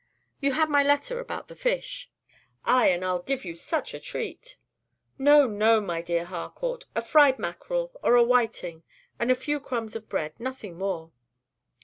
You had my letter about the fish?" "Ay, and I'll give you such a treat." "No, no, my dear Harcourt; a fried mackerel, or a whiting and a few crumbs of bread, nothing more."